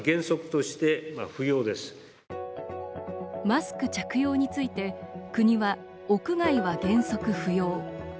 マスク着用について国は、屋外は原則不要。